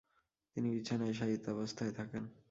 তিনি বিছানায় শায়িতাবস্থায় থাকেন।